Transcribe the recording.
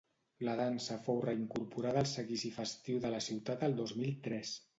La dansa fou reincorporada al seguici festiu de la ciutat el dos mil tres.